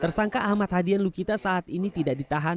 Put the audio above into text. tersangka ahmad hadian lukita saat ini tidak ditahan